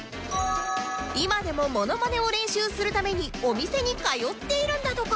今でもモノマネを練習するためにお店に通っているんだとか